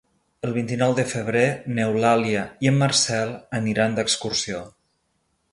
El vint-i-nou de febrer n'Eulàlia i en Marcel aniran d'excursió.